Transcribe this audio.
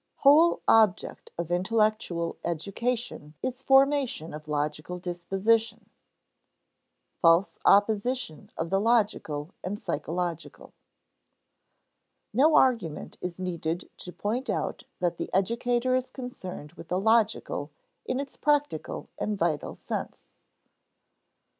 [Sidenote: Whole object of intellectual education is formation of logical disposition] [Sidenote: False opposition of the logical and psychological] No argument is needed to point out that the educator is concerned with the logical in its practical and vital sense.